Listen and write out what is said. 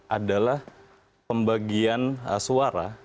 adalah pembagian suara